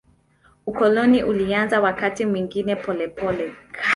Ukoloni ulianza wakati mwingine polepole.